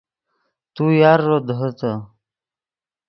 تو یارݱو دیہیتے